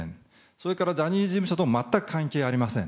それからジャニーズ事務所とも全く関係がありません。